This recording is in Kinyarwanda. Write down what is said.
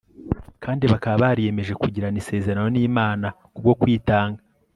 kandi bakaba bariyemeje kugirana isezerano n'imana kubwo kwitanga